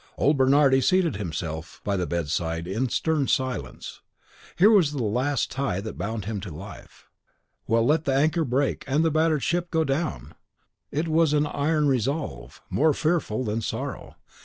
Old Bernardi seated himself by the bedside in stern silence; here was the last tie that bound him to life. Well, let the anchor break and the battered ship go down! It was an iron resolve, more fearful than sorrow.